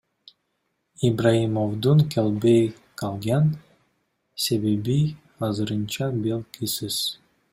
Ибраимовдун келбей калган себеби азырынча белгисиз.